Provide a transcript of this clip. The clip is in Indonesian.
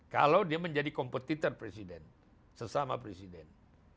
kalau dia menjadi kompetitor presiden sesama presiden